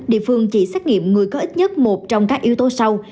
địa phương chỉ xét nghiệm người có ít nhất một trong các yếu tố sau